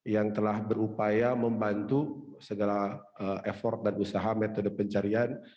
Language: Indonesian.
yang telah berupaya membantu segala effort dan usaha metode pencarian